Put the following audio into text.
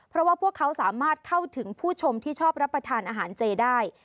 เพราะว่าพวกเขาสามารถเข้าถึงผู้ชมที่ชอบรับประทานอาหารเจได้